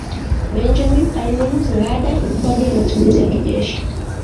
benjamini alinunuzi rada kwa ajili ya matumizi ya kijeshi